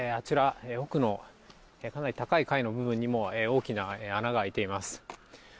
奥のかなり高い階の部分にも大きな穴が開いています。